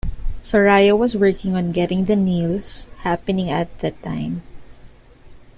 Soria was working on getting the Nils happening at the time.